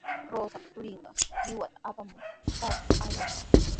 Rosapa turinqa qiwata apamuqmi trakrapa aywashqa.